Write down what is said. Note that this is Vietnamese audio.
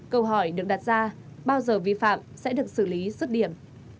câu hỏi được đặt ra bao giờ vi phạm sẽ được xử lý rứt điểm